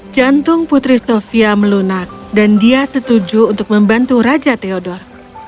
jantung putri sofia melunak dan dia setuju untuk membantu raja theodor